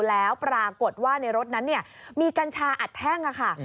แล้วปรากฏว่าในรถนั้นมีกัญชาอัดแท่งค่ะ